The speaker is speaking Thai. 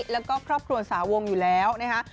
แล้วก็ครอบครัวสาวงอยู่แล้วนะคะ